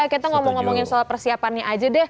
kita ngomong ngomongin soal persiapannya aja deh